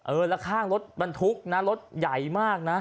เออแล้วข้างรถมันถูกนะรถใหญ่มากนะ